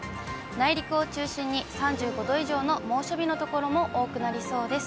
内陸を中心に３５度以上の猛暑日の所も多くなりそうです。